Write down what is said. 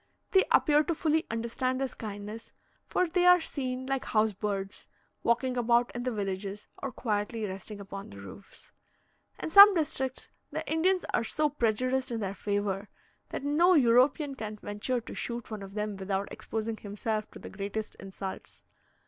They appear to fully understand this kindness, for they are seen, like house birds, walking about in the villages or quietly resting upon the roofs. In some districts, the Indians are so prejudiced in their favour, that no European can venture to shoot one of them without exposing himself to the greatest insults.